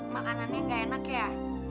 makanannya gak enak ya